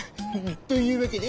というわけで。